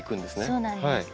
そうなんです。